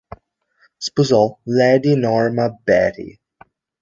Sposò Lady Norma Beattie.